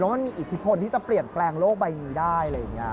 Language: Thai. แล้วมันมีอิทธิพลที่จะเปลี่ยนแปลงโลกใบนี้ได้